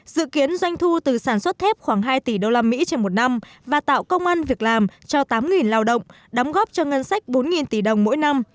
dự kiến doanh thu từ sản xuất thép khoảng hai tỷ usd trên một năm và tạo công an việc làm cho tám lao động đóng góp cho ngân sách bốn tỷ đồng mỗi năm